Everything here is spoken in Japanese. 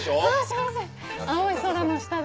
幸せ青い空の下で。